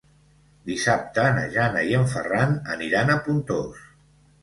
Dissabte na Jana i en Ferran aniran a Pontós.